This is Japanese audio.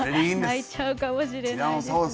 泣いちゃうかもしれない。